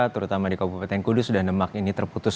terutama di kabupaten kudus sudah demak ini terputus